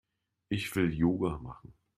Ich will Yoga machen.